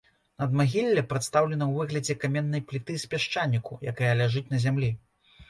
Надмагілле прадстаўлена ў выглядзе каменнай пліты з пясчаніку, якая ляжыць на зямлі.